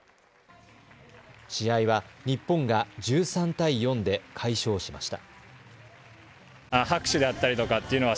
試合は日本が１３対４で快勝しました。